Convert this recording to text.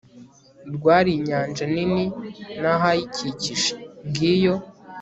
rwari inyanja nini n'ahayikikije. ngiyo